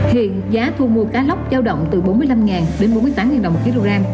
hiện giá thu mua cá lóc giao động từ bốn mươi năm đến bốn mươi tám đồng một kg